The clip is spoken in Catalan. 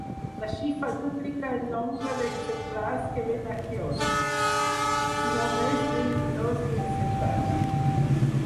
La xifra duplica el nombre d’exemplars que ven al quiosc, només vint-i-dos mil setanta.